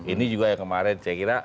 ini juga yang kemarin saya kira